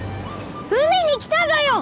海に来たぞよ！